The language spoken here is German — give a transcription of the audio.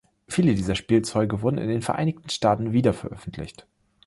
Viele dieser Spielzeuge wurden in den Vereinigten Staaten wiederveröffentlicht.